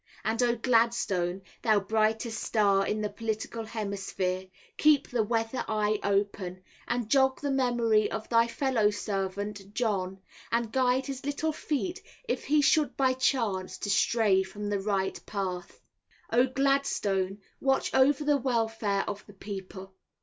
And O Gladstone, thou brightest star in the political hemisphere; keep thy weather eye open, and jog the memory of thy fellow servant John, and guide his little feet if he should by chance to stray from the right path. O Gladstone watch over the welfare of the people.